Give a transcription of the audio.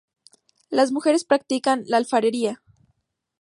Las mujeres practican la alfarería.